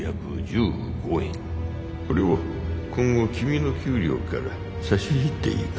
これを今後君の給料から差し引いていく。